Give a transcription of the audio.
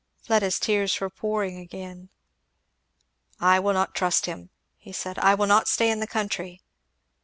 Fleda's tears were pouring again. "I will not trust him," he said, "I will not stay in the country!"